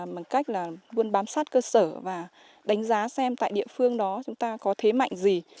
bằng cách là luôn bám sát cơ sở và đánh giá xem tại địa phương đó chúng ta có thế mạnh gì